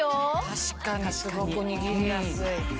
確かにすごく握りやすい。